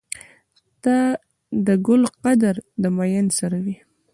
د ګل قدر د ميئن سره وي.